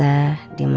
ipul lagi mbak